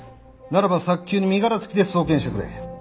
ならば早急に身柄付きで送検してくれ。